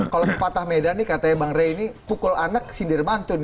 kalau pepatah medan nih katanya bang rey ini pukul anak sindir mantu nih